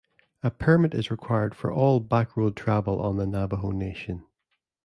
A permit is required for all backroad travel on the Navajo Nation.